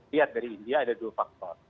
lihat dari india ada dua faktor